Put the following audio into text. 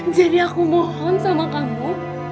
jadi aku mohon sama kamu